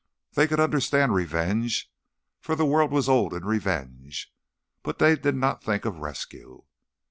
They could understand revenge, for the world was old in revenge, but they did not think of rescue.